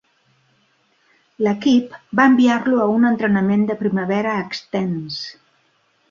L'equip va enviar-lo a un entrenament de primavera extens.